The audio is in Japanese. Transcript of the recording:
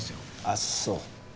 あっそう。